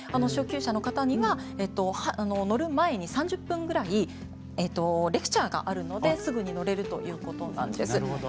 初級者の方には乗る前に３０分ぐらいレクチャーがあるのですぐに乗れるということなんです。